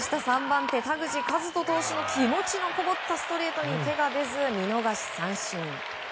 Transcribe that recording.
３番手、田口麗斗投手の気持ちのこもったストレートに手が出ず、見逃し三振。